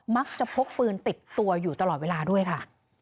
มักจะพกปืนติดตัวอยู่ตลอดเวลาด้วยค่ะ